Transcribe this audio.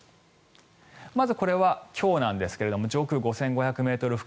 まず、これは今日なんですが上空５５００ｍ付近。